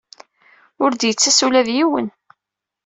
Ur d-yettas ula d yiwen.